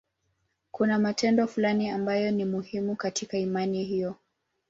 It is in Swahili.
Kuna matendo fulani ambayo ni muhimu katika imani hiyo.